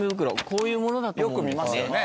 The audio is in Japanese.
こういうものだと思うんですよね。